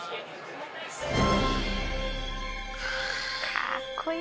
「かっこいい！」